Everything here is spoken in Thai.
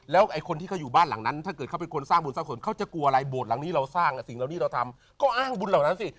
แล้วไอ้คนที่เขาอยู่บ้านหลังนั้นถ้าเกิดเขาเป็นคนสร้างบุญสร้างส่วนเขาจะกลัวอะไรโบสถหลังนี้เราสร้างสิ่งเหล่านี้เราทำก็อ้างบุญเหล่านั้นสิ